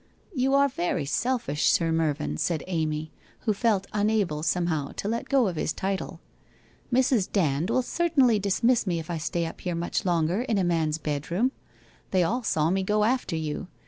' You are very selfish, Sir Mervyn,' said Amy, who felt unable, somehow to let go of his title. * Mrs. Dand will certainly dismiss me if I stay up here much longer in a man's bedroom. They all saw me go after you.